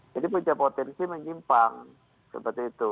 jadi punya potensi menyimpang seperti itu